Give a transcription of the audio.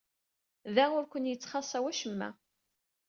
Da ur ken-yettxaṣṣa wacemma.